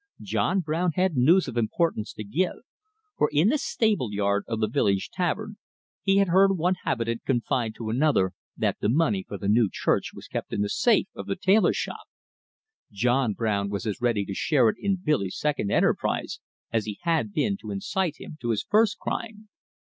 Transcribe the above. John Brown had news of importance to give; for, in the stable yard of the village tavern, he had heard one habitant confide to another that the money for the new church was kept in the safe of the tailor shop. John Brown was as ready to share in Billy's second enterprise as he had been to incite him to his first crime.